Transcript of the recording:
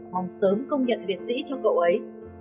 mong sớm công nhận liệt sĩ cho cậu ấy